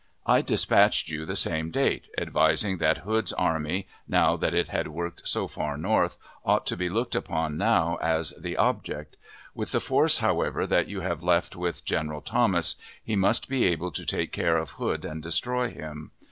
I dispatched you the same date, advising that Hood's army, now that it had worked so far north, ought to be looked upon now as the "object." With the force, however, that you have left with General Thomas, he must be able to take care of Hood and destroy him.